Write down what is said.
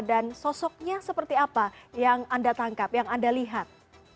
dan sosoknya seperti apa yang anda tangkap yang anda lihat